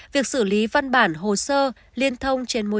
việc xử lý văn bản hồ sơ liên thông trên mục